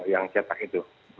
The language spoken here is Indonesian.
yang cetak itu